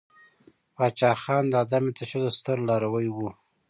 پاچاخان د عدم تشدد ستر لاروی ؤ.